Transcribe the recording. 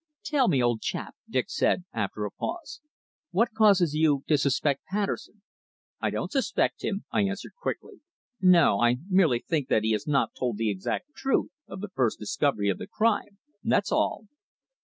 "Tell me, old chap," Dick said, after a pause, "what causes you to suspect Patterson?" "I don't suspect him," I answered quickly. "No. I merely think that he has not told the exact truth of the first discovery of the crime, that's all."